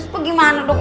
terus gimana dok